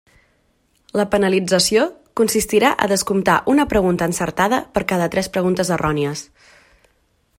La penalització consistirà a descomptar una pregunta encertada per cada tres preguntes errònies.